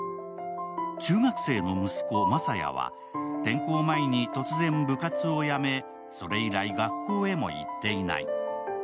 中学生の息子・真佐也や転校前に突然、部活を辞めそれ以来、学校へも行っていない。